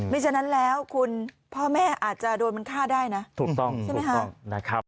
ไม่ใช่นั้นแล้วคุณพ่อแม่อาจจะโดนมันฆ่าได้นะถูกต้องนะครับ